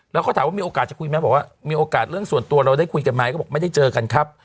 แล้วเขาถามว่ามีโอกาสจะคุยไหมบอกว่ามีโอกาสเรื่องส่วนตัวเราได้คุยกันไหมก็บอกไม่ได้เจอกันครับ